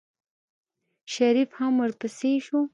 شريف هم ورپسې شو.